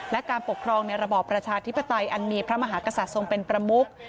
และการปกครองในระบอบประชาธิปไตยอันมีพระมหากษัตริย์ทรงเป็นประมุก